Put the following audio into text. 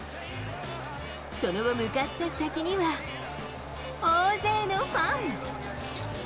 その後、向かった先には、大勢のファン。